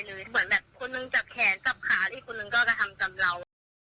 เหมือนแบบคนหนึ่งจับแขนจับขาอีกคนนึงก็กระทำจำเรา